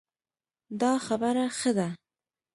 دا خبره ښه ده